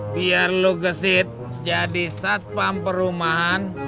biar lu gesit jadi satpam perumahan